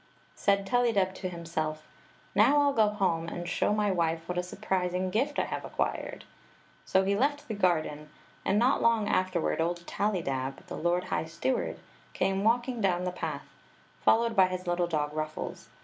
Said Tellydeb to himself: " Now I '11 go home and show my wife what a surprising gift I have acquired." So he left the garden ; and not long afterwar^* old Tallydab, the lord high steward, came walking down the path, followed by his little dog Ruffles.